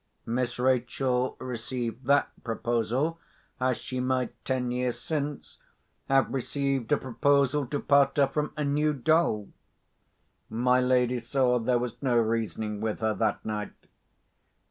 Miss Rachel received that proposal as she might, ten years since, have received a proposal to part her from a new doll. My lady saw there was no reasoning with her that night.